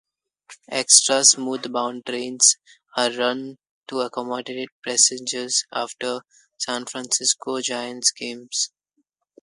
Extra southbound trains are run to accommodate passengers after San Francisco Giants games.